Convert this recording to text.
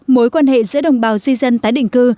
mối quan hệ giữa đồng bào di dân tái định cư